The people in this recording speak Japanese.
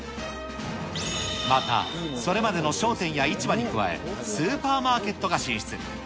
また、それまでの商店や市場に加え、スーパーマーケットが進出。